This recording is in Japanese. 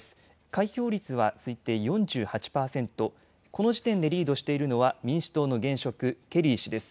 開票率は推定４８％、この時点でリードしているのは民主党の現職、ケリー氏です。